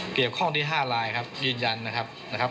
เกี่ยวข้องที่๕ลายครับยืนยันนะครับ